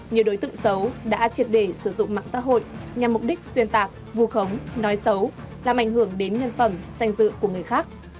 nhiều đối tượng xấu đã triệt để sử dụng mạng xã hội nhằm mục đích xuyên tạc vù khống nói xấu làm ảnh hưởng đến nhân phẩm danh dự của người khác